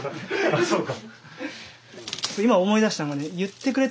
あっそうか。